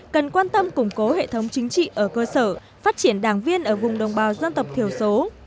cần quan tâm củng cố hệ thống chính trị ở cơ sở phát triển đảng viên ở vùng đồng bào dân tộc thiểu số